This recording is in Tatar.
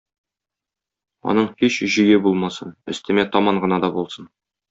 Аның һич җөе булмасын, өстемә таман гына да булсын.